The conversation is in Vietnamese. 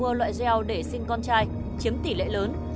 mua loại gel để sinh con trai chiếm tỷ lệ lớn